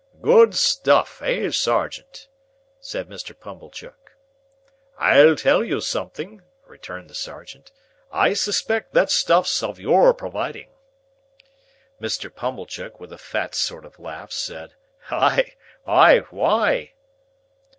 "Good stuff, eh, sergeant?" said Mr. Pumblechook. "I'll tell you something," returned the sergeant; "I suspect that stuff's of your providing." Mr. Pumblechook, with a fat sort of laugh, said, "Ay, ay? Why?"